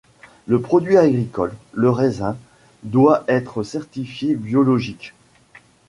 Le produit agricole, le raisin, doit être certifié biologique.